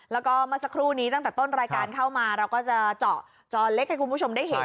แล้วก็เมื่อสักครู่นี้ตั้งแต่ต้นรายการเข้ามาเราก็จะเจาะจอเล็กให้คุณผู้ชมได้เห็น